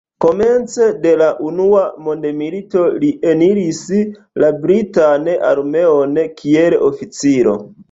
Komence de la unua mondmilito li eniris la britan armeon kiel oficiro.